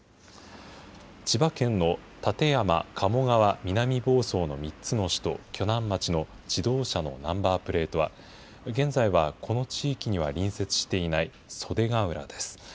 千葉県の館山、鴨川、南房総の３つの市と鋸南町の自動車のナンバープレートは、現在はこの地域には隣接していない袖ヶ浦です。